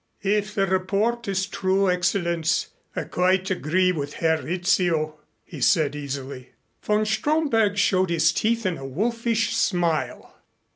"If the report is true, Excellenz, I quite agree with Herr Rizzio," he said easily. Von Stromberg showed his teeth in a wolfish smile.